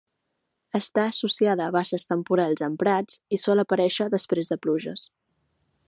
Està associada a basses temporals en prats i sol aparèixer després de pluges.